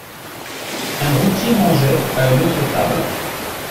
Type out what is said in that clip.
Un routier mangeait à une autre table.